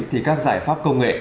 thì các giải pháp công nghệ